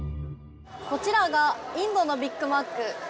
こちらがインドのビッグマック。